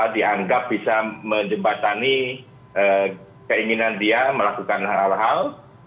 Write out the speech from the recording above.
dianggap bisa menjembatani keinginan dia melakukan hal hal